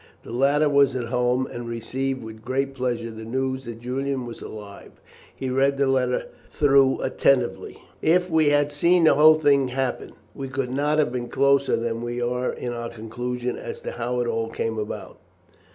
The latter was at home, and received with great pleasure the news that Julian was alive. He read the letter through attentively. "If we had seen the whole thing happen, we could not have been closer than we were in our conclusion as to how it all came about.